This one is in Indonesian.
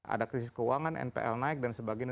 ada krisis keuangan npl naik dan sebagainya